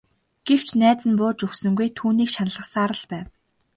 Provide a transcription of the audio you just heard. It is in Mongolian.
Гэвч найз нь бууж өгсөнгүй түүнийг шаналгасаар л байв.